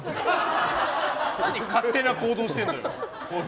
何、勝手な行動してんだよ。